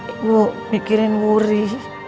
ibu mikirin wuri